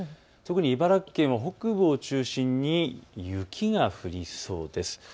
特に茨城県の北部を中心に雪が降りそうです。